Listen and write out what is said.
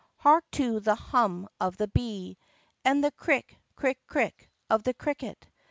IV to the hum of the bee, And the crick crick crick of the cricket.